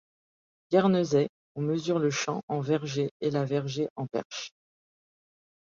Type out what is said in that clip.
Guernesey on mesure le champ en vergées et la vergée en perches.